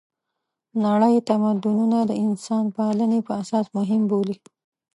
نړۍ تمدونونه د انسانپالنې په اساس مهم بولي.